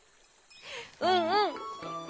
うんうん。